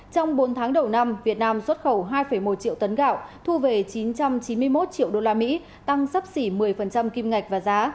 trong bốn tháng đầu năm việt nam xuất khẩu hai một triệu tấn gạo thu về chín trăm chín mươi một triệu usd tăng sấp xỉ một mươi kim ngạch và giá